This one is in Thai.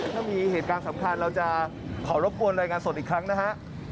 ถ้ามีเหตุการณ์สำคัญเราจะขอรบกวนรายงานสดอีกครั้งนะฮะ